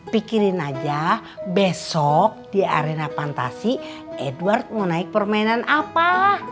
pikirin aja besok di arena fantasi edward mau naik permainan apa